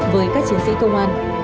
với các chiến sĩ công an